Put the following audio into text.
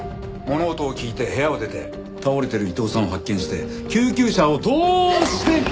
物音を聞いて部屋を出て倒れてる伊藤さんを発見して救急車をどうして。